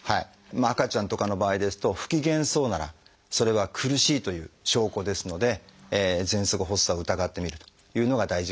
赤ちゃんとかの場合ですと不機嫌そうならそれは苦しいという証拠ですのでぜんそく発作を疑ってみるというのが大事かなと思います。